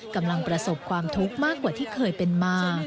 กำลังประสบความทุกข์มากกว่าที่เคยเป็นมา